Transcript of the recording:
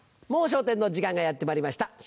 『もう笑点』の時間がやってまいりました。